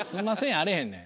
やあれへんねん。